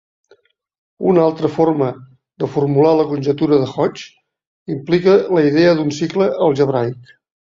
Una altra forma de formular la conjectura de Hodge implica la idea d'un cicle algebraic.